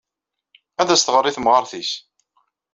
Ad as-tɣer i temɣart-nnes.